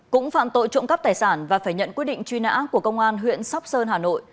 cũng phạm tội trộm cắp tài sản và phải nhận quyết định truy nã của công an huyện sóc sơn hà nội